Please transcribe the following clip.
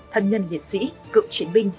thân nhân liệt sĩ cựu triển binh